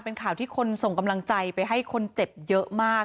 เป็นข่าวที่คนส่งกำลังใจไปให้คนเจ็บเยอะมาก